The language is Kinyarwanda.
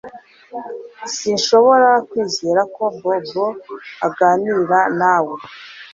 S Sinshobora kwizera ko Bobo aganira nawe